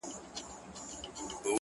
• زما له لاسه تر سږمو چي كلى كور سو,